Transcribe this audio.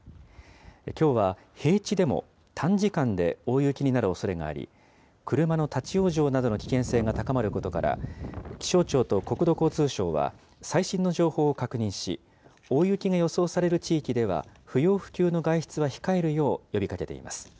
きょうは平地でも短時間で大雪になるおそれがあり、車の立往生などの危険性が高まることから、気象庁と国土交通省は、最新の情報を確認し、大雪が予想される地域では、不要不急の外出は控えるよう呼びかけています。